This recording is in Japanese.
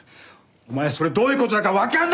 お前それどういう事だかわかんないのか！？